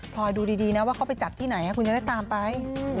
ลอยดูดีนะว่าเขาไปจัดที่ไหนคุณจะได้ตามไป